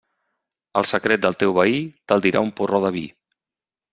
El secret del teu veí te'l dirà un porró de vi.